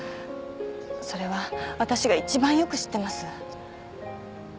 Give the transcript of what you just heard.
それはわたしが一番よく知ってます。